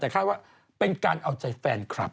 แต่คาดว่าเป็นการเอาใจแฟนคลับ